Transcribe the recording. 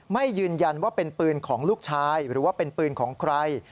ไม่ยืนยันว่าเป็นปืนของลูกชายหรือว่าเป็นปืนของใคร